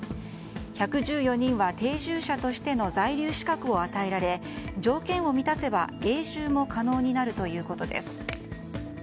１１４人は定住者としての在留資格を与えられ条件を満たせば永住も可能になるということです。